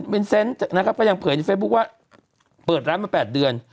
นเซนต์นะครับก็ยังเผยในเฟซบุ๊คว่าเปิดร้านมา๘เดือน